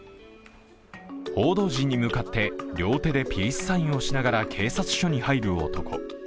報道陣に向かって、両手でピースサインをしながら警察署に入る男。